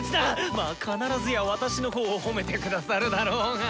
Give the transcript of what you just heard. まあ必ずや私の方を褒めて下さるだろうが。